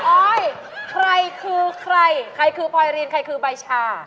อ้อยใครคือใครใครคือพลอยรินใครคือใบชา